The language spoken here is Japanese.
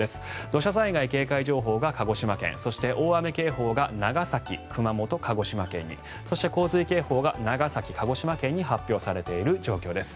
土砂災害警戒情報が鹿児島県そして大雨警報が長崎、熊本、鹿児島県にそして、洪水警報が長崎、鹿児島県に発表されている状況です。